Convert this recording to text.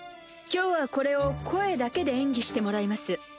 今日はこれを声だけで演技してもらいます。